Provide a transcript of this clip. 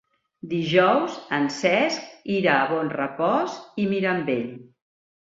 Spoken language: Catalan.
Dijous en Cesc irà a Bonrepòs i Mirambell.